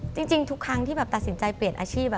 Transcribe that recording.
จริงทุกครั้งที่แบบตัดสินใจเปลี่ยนอาชีพ